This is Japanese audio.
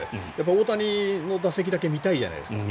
大谷の打席だけみたいじゃないですか。